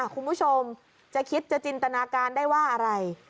คุณผู้ชมจะคิดจะจินตนาการได้ว่าอะไร